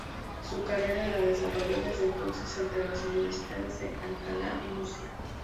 Su carrera la desarrolló desde entonces entre las universidades de Alcalá y Murcia.